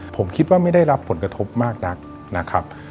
ผมคิดว่าไม่ได้รับผลกระทบมากนักนะครับ